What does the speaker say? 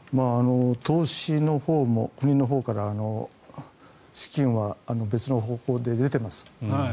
投資のほうも国のほうから資金は別の方向で出てます。